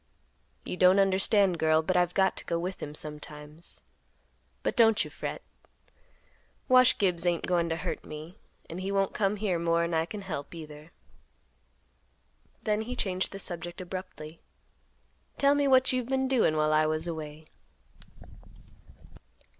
You don't understand, girl, but I've got to go with him sometimes. But don't you fret; Wash Gibbs ain't goin' to hurt me, and he won't come here more'n I can help, either." Then he changed the subject abruptly. "Tell me what you've been doin' while I was away."